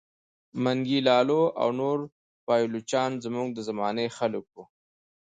منګی لالو او نور پایلوچان زموږ د زمانې خلک وه.